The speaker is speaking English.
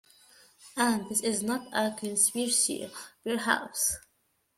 And this is not a conspiracy, perhaps?